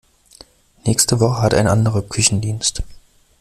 Nächste Woche hat ein anderer Küchendienst.